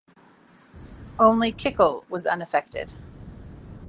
Only Kickle was unaffected.